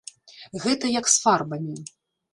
Гэта як з фарбамі.